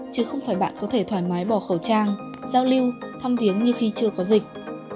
chứ không phải bạn có thể thoải mái bỏ khẩu trang giao lưu thăm viếng như khi chưa có dịch